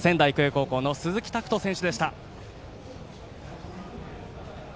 勝ちました、仙台育英高校の鈴木拓斗選手でした。